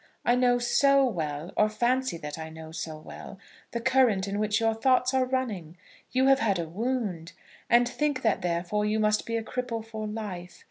I know so well, or fancy that I know so well, the current in which your thoughts are running! You have had a wound, and think that therefore you must be a cripple for life.